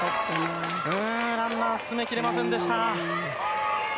ランナーを進めきれませんでした。